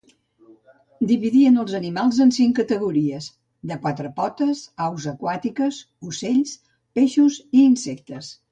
Dividien els animals en cinc categories: de quatre potes, aus aquàtiques, ocells, peixos i insectes.